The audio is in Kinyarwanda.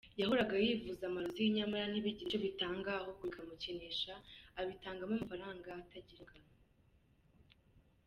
Yahoraga yivuza amarozi nyamara ntibigire icyo bitanga ahubwo bikamukenesha abitangamo amafaranga atagira ingano.